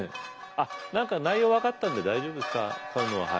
あっ何か内容分かったんで大丈夫です買うのははい。